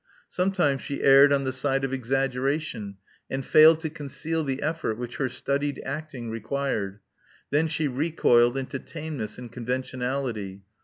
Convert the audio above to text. Some times she erred on the side of exaggeration, and failed to conceal the effort which her studied acting required. Then she recoiled into tameness and conventionality.